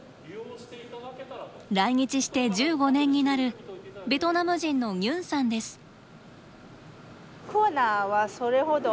来日して１５年になるベトナム人のニュンさんです。